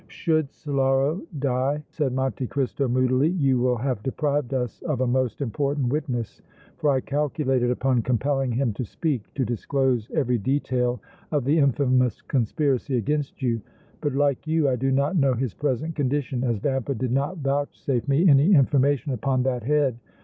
"Should Solara die," said Monte Cristo, moodily, "you will have deprived us of a most important witness, for I calculated upon compelling him to speak, to disclose every detail of the infamous conspiracy against you. But like you I do not know his present condition, as Vampa did not vouchsafe me any information upon that head.